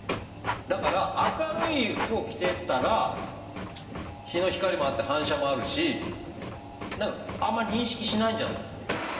だから明るい服を着てたら日の光もあって反射もあるし何かあんまり認識しないんじゃないかなっていう。